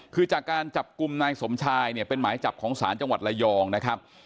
คือจากการจับกลุ่มนายสมชายเนี่ยเป็นหมายจับของศาลจังหวัดระยองนะครับ